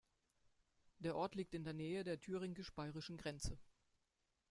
Der Ort liegt in der Nähe der thüringisch-bayerischen Grenze.